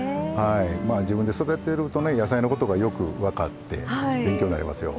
まあ自分で育てるとね野菜のことがよく分かって勉強になりますよ。